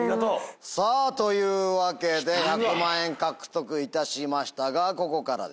さぁというわけで１００万円獲得いたしましたがここからです。